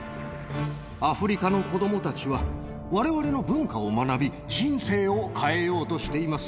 アフリカの子どもたちは、われわれの文化を学び、人生を変えようとしています。